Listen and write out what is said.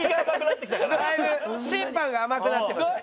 だいぶ審判が甘くなってます。